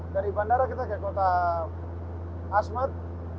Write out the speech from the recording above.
dari bandara kita ke kota asmat